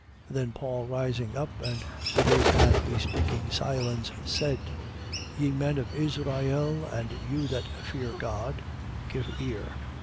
13:16. Then Paul rising up and with his hand bespeaking silence, said: Ye men of Israel and you that fear God, give ear.